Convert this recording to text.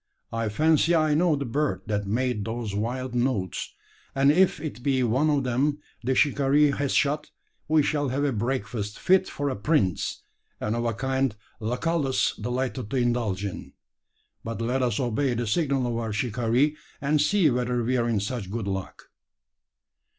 I fancy I know the bird that made those wild notes: and if it be one of them the shikaree has shot, we shall have a breakfast fit for a prince, and of a kind Lucullus delighted to indulge in. But let us obey the signal of our shikaree, and see whether we're in such good luck."